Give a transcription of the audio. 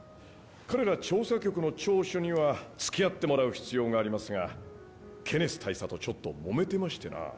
彼ら調査局の聴取にはつきあってもらう必要がありますがケネス大佐とちょっともめてましてな。